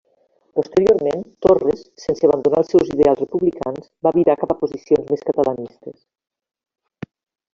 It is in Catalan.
Posteriorment, Torres, sense abandonar els seus ideals republicans va virar cap a posicions més catalanistes.